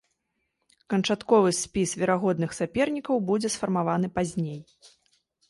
Канчатковы спіс верагодных сапернікаў будзе сфармаваны пазней.